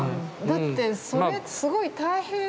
だってそれすごい大変。